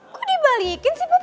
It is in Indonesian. kok dibalikin sih bob